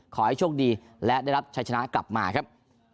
ขอให้โชคดีและได้รับชัยชนะกลับมาครับ